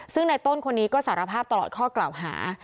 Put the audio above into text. ซึ่งในต้นคนนี้ก็สารภาพตลอดข้อกล่าวหา